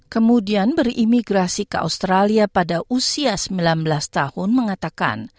kemudian berimigrasi ke australia pada usia sembilan belas tahun mengatakan